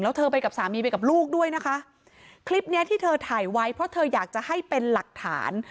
แล้วเธอไปกับสามีไปกับลูกด้วยนะคะคลิปเนี้ยที่เธอถ่ายไว้เพราะเธออยากจะให้เป็นหลักฐาน